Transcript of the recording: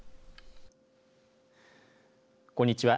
こんにちは。